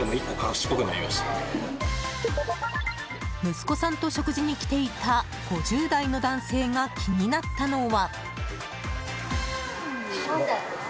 息子さんと食事に来ていた５０代の男性が気になったのは。